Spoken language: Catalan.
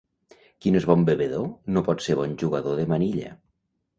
Qui no és bon bevedor no pot ser bon jugador de manilla.